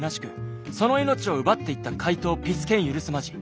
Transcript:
その命を奪っていった怪盗ピス健許すまじ。